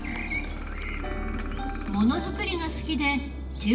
ものづくりが好きで１８歳で入社。